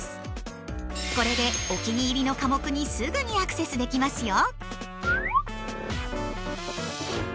これでお気に入りの科目にすぐにアクセスできますよ。